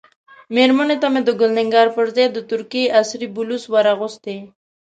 مېرمنې ته مو د ګل نګار پر ځای د ترکیې عصري بلوز ور اغوستی.